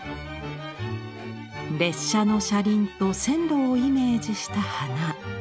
列車の車輪と線路をイメージした花。